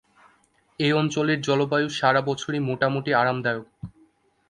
এই অঞ্চলের জলবায়ু সারা বছরই মোটামুটি আরামদায়ক।